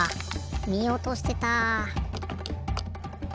みおとしてた。